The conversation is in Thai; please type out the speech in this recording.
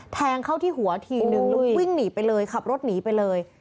แทงเข้าที่หัวทีนึงแล้ววิ่งหนีไปเลยขับรถหนีไปเลย